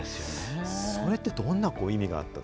それって、どんな意味があっ